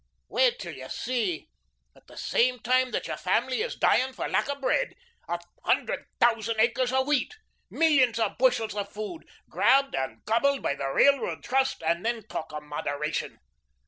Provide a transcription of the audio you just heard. Wait till you see at the same time that your family is dying for lack of bread a hundred thousand acres of wheat millions of bushels of food grabbed and gobbled by the Railroad Trust, and then talk of moderation.